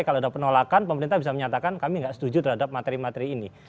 kalau ada penolakan pemerintah bisa menyatakan kami nggak setuju terhadap materi materi ini